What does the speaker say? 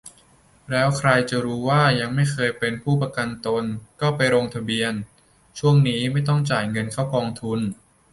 แล้วใครรู้ตัวว่ายังไม่เคยเป็นผู้ประกันตน ก็ไปลงทะเบียน ช่วงนี้ไม่ต้องจ่ายเงินเข้ากองทุน